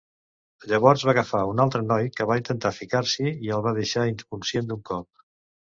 Llavors va agafar un altre noi que va intentar ficar-s'hi i el va deixar inconscient d'un cop.